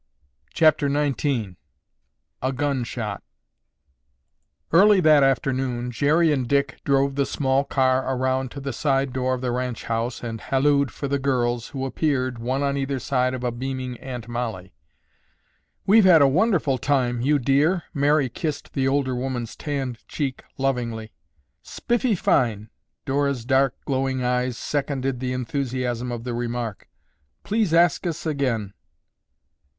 CHAPTER XIX A GUN SHOT Early that afternoon Jerry and Dick drove the small car around to the side door of the ranch house and hallooed for the girls, who appeared, one on either side of a beaming Aunt Mollie. "We've had a wonderful time, you dear." Mary kissed the older woman's tanned cheek lovingly. "Spiffy fine!" Dora's dark glowing eyes seconded the enthusiasm of the remark. "Please ask us again."